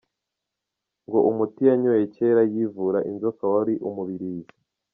Ngo umuti yanyoye kera yivura inzoka wari umubirizi.